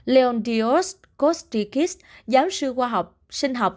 leon dios kostikis giáo sư khoa học sinh học